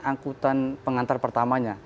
angkutan pengantar pertamanya